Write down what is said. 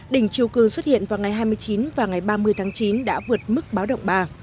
đỉnh chiều cường xuất hiện vào ngày hai mươi chín và ngày ba mươi tháng chín đã vượt mức báo động ba